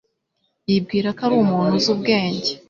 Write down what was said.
Yibwira ko ari umuntu uzi ubwenge.